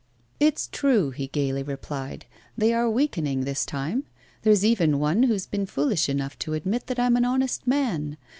'It's true,' he gaily replied, 'they are weakening this time. There's even one who has been foolish enough to admit that I'm an honest man!